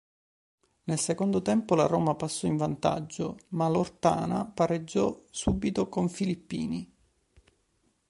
Nel secondo tempo la Roma passò in vantaggio ma l'Ortana pareggiò subito con Filippini.